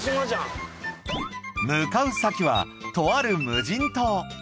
向かう先はとある無人島